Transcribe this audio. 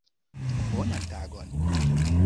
Bonan tagon.